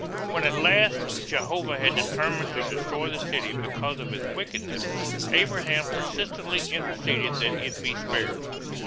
When at last Jehovah had determined to destroy the city because of its wickedness, Abraham persistently interceded that it be spared.